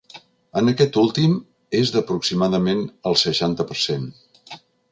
En aquest últim és d’aproximadament el seixanta per cent.